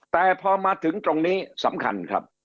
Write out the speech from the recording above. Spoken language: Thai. แต่พอมาถึงตรงนี้สำคัญครับ